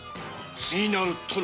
次なる殿。